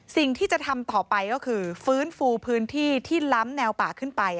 สิ่งที่จะทำต่อไปก็คือฟื้นฟูพื้นที่ที่ล้ำแนวป่าขึ้นไป